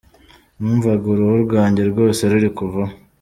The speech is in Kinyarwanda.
Numvaga uruhu rwanjye rwose ruri kuvaho.